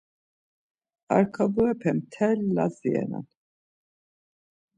Arkaburepe mtel Lazi renan.